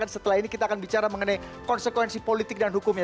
setelah ini kita akan bicara mengenai konsekuensi politik dan hukumnya